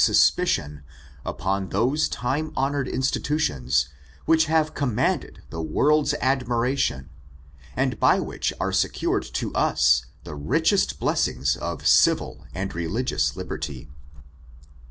1 ri publisher's preface suspicion upon those time honored institutions which have commanded the world's admiration, and by which are secured to us the richest blessings of civil and religious liberty.